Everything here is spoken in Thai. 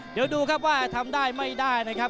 เดี๋ยวดูครับว่าทำได้ไม่ได้นะครับ